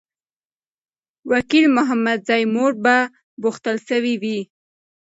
وکیل محمدزی مور به پوښتل سوې وي.